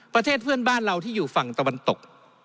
ประเทศเพื่อนบ้านเราที่อยู่ฝั่งตะวันตก